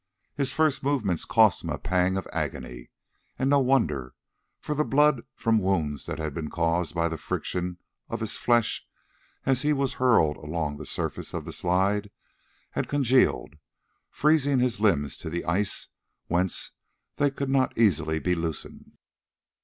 His first movements cost him a pang of agony, and no wonder, for the blood from wounds that had been caused by the friction of his flesh as he was hurled along the surface of the slide, had congealed, freezing his limbs to the ice, whence they could not easily be loosened.